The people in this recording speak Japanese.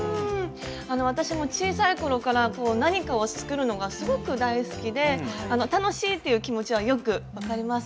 私も小さい頃から何かを作るのがすごく大好きで楽しいっていう気持ちはよく分かります。